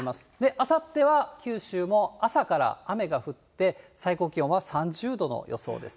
あさっては九州も朝から雨が降って、最高気温は３０度の予想です。